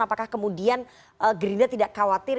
apakah kemudian gerindra tidak khawatir